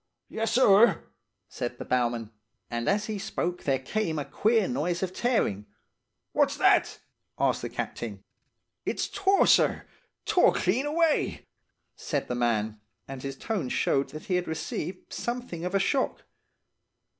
"'Yessir!' said the bowman; and as he spoke there came a queer noise of tearing. "'What's that?' asked the Captain. "'It's tore, sir. Tore clean away!' said the man, and his tone showed that he had received something of a shock.